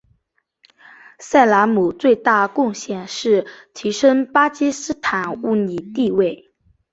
萨拉姆最大个贡献是提升巴基斯坦物理地位。